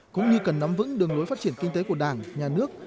cũng như cần nắm vững đường lối phát triển kinh tế của đảng nhà nước